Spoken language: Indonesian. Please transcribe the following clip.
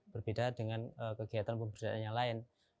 berbeda dengan kegiatan pemberdayaan yang lain